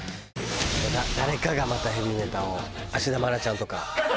誰かがまたヘヴィメタを芦田愛菜ちゃんとか。